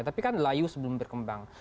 tapi kan layu sebelum berkembang